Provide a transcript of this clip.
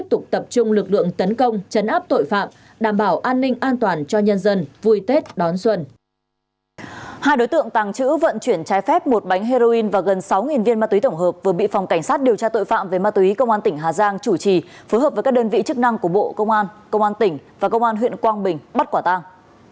đối hợp với các đơn vị chức năng của bộ công an công an tỉnh và công an huyện quang bình bắt quả tăng